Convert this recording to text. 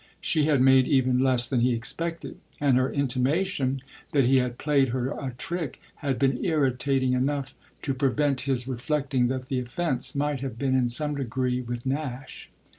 She had made even less than he expected, and her intimation that he had played her a trick had been irritating enough to prevent his reflecting that the offence might have been in some degree with Nash.